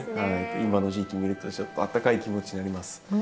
今の時期に見るとちょっとあったかい気持ちになります。